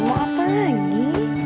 mau apa lagi